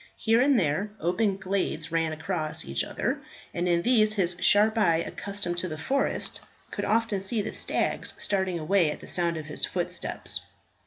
Here and there open glades ran across each other, and in these his sharp eye, accustomed to the forest, could often see the stags starting away at the sound of his footsteps.